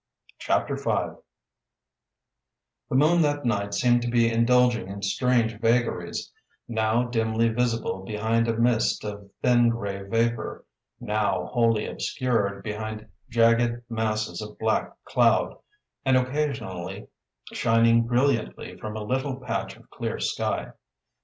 CHAPTER V The moon that night seemed to be indulging in strange vagaries, now dimly visible behind a mist of thin grey vapour, now wholly obscured behind jagged masses of black cloud, and occasionally shining brilliantly from a little patch of clear sky.